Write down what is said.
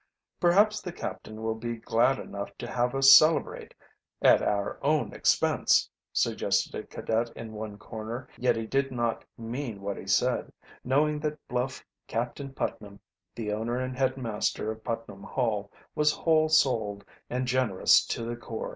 "Perhaps the captain will be glad enough to have us celebrate at our own expense," suggested a cadet in one corner, yet he did not mean what he said, knowing that bluff Captain Putnam, the owner and headmaster of Putnam Hall was whole souled and generous to the core.